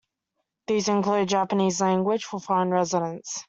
These include Japanese language for foreign residents.